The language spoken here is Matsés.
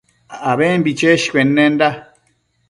abembi cheshcuennenda